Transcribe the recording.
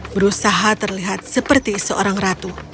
berusaha terlihat seperti seorang ratu